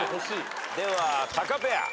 ではタカペア。